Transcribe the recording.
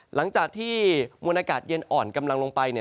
หลังจากที่มวลอากาศเย็นอ่อนกำลังลงไปเนี่ย